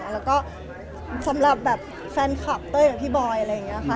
แล้วก็สำหรับแบบแฟนคลับเต้ยกับพี่บอยอะไรอย่างนี้ค่ะ